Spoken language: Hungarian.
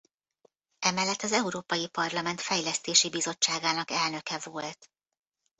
Emellett az Európai Parlament Fejlesztési Bizottságának elnöke volt.